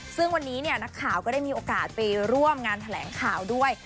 ซึ่งวันนี้เนี่ยนักข่าวก็ได้มีโอกาสไปร่วมงานแถลงข่าวด้วย